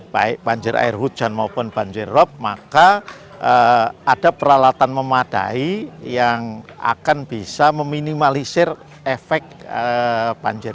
baik banjir air hujan maupun banjir rop maka ada peralatan memadai yang akan bisa meminimalisir efek banjir